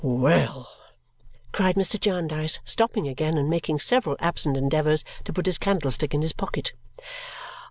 "Well!" cried Mr. Jarndyce, stopping again, and making several absent endeavours to put his candlestick in his pocket.